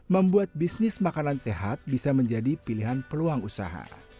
membuat bisnis makanan sehat bisa menjadi pilihan peluang usaha